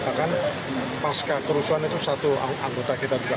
bahkan pas kerusuhan itu satu anggota kita juga